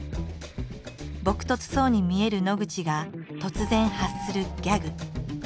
朴とつそうに見える野口が突然発するギャグ。